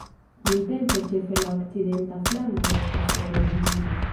Nuntempe ĉefe la okcidenta flanko estas renovigita.